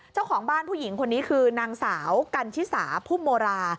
เจ้าของบ้านผู้หญิงคนนี้คือนางสาวกันชิสาพุ่มโมรา